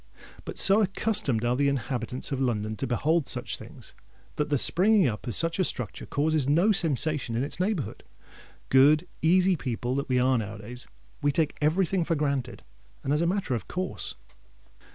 But so accustomed are the inhabitants of London to behold such things, that the springing up of such a structure causes no sensation in its neighbourhood: good, easy people that we are now a days—we take every thing for granted and as a matter of course!